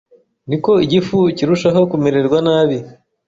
ni ko igifu kirushaho kumererwa nabi.